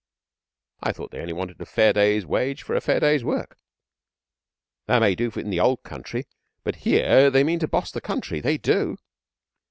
'I thought they only want a fair day's wage for a fair day's work?' 'That may do in the Old Country, but here they mean to boss the country. They do.'